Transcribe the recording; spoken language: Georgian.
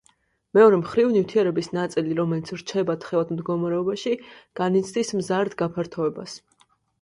მეორე მხრივ, ნივთიერების ნაწილი, რომელიც რჩება თხევად მდგომარეობაში განიცდის მზარდ გაფართოებას.